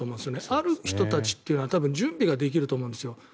ある人たちというのは準備ができると思うんですよ。